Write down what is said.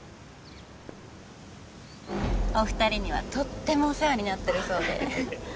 お二人にはとってもお世話になっているそうで。